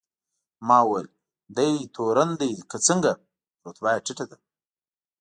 ما وویل: دی تورن دی که څنګه؟ رتبه یې ټیټه ده.